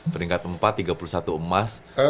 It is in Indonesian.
peringkat empat tiga puluh satu emas